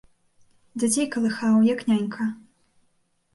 Дзяцей калыхаў, як нянька.